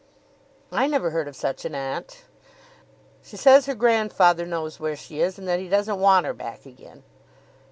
"I never heard of such an aunt." "She says her grandfather knows where she is, and that he doesn't want her back again."